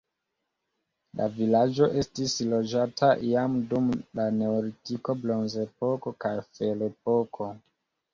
La vilaĝo estis loĝata jam dum la neolitiko, bronzepoko kaj ferepoko.